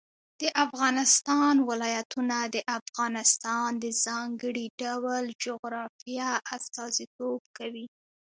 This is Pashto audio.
د افغانستان ولايتونه د افغانستان د ځانګړي ډول جغرافیه استازیتوب کوي.